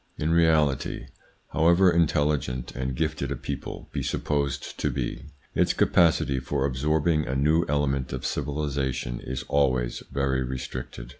In reality, however intelligent and gifted a people be supposed to be, its capacity for absorbing a new element of civilisation is always very restricted.